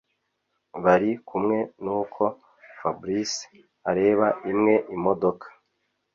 bari kumwe nuko fabric areba imwe imodoka